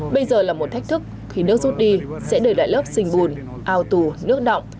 bây giờ là một thách thức khi nước rút đi sẽ đẩy lại lớp sinh bùn ao tù nước động